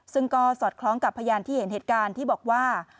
ซึ่งก็สอดคล้องกับพยานที่เห็นเหตุการณ์ที่บอกว่า